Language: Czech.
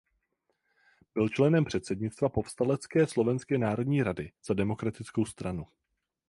Byl členem předsednictva povstalecké Slovenské národní rady za Demokratickou stranu.